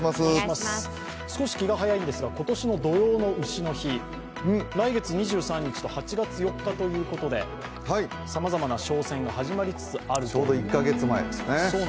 少し気が早いんですが、今年の土用の丑の日、来月２３日と８月４日ということでさまざまな商戦が始まりつつある。